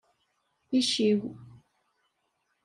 Icciw.